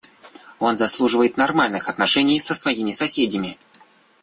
Он заслуживает нормальных отношений со своими соседями.